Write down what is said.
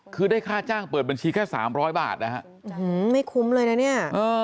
คือได้ค่าจ้างเปิดบัญชีแค่๓๐๐บาทนะฮะไม่คุ้มเลยนะเนี่ย